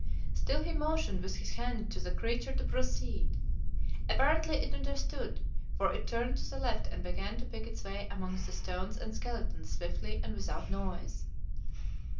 Still he motioned with his hand to the creature to proceed. Apparently it understood, for it turned to the left and began to pick its way amongst the stones and skeletons swiftly and without noise.